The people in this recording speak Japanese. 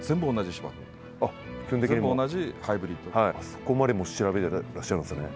そこまで調べていらっしゃるんですね。